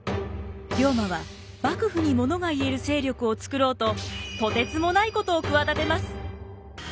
龍馬は幕府にものが言える勢力を作ろうととてつもないことを企てます！